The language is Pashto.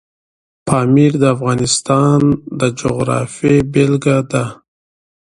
پامیر د افغانستان د جغرافیې بېلګه ده.